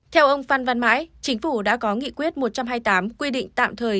theo ông phan văn mãi chính phủ đã có nghị quyết một trăm hai mươi tám quy định tạm thời